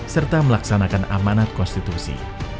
serta melaksanakan amanat konstitusi